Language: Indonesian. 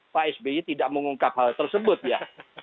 pak sby tidak mengungkap hal tersebut ya